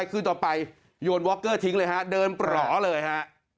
คืนต่อไปโยนวอคเกอร์ทิ้งเลยฮะเดินปลอเลยฮะ